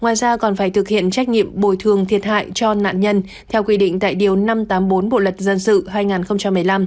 ngoài ra còn phải thực hiện trách nhiệm bồi thường thiệt hại cho nạn nhân theo quy định tại điều năm trăm tám mươi bốn bộ luật dân sự hai nghìn một mươi năm